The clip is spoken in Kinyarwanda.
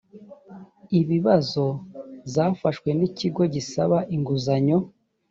ibibazo zafashwe n ikigo gisaba inguzanyo